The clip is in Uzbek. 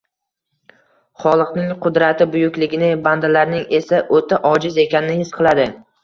Xoliqning qudrati buyukligini, bandalarning esa o‘ta ojiz ekanini his qiladi.